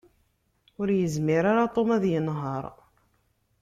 Ur yezmir ara Tom ad yenheṛ.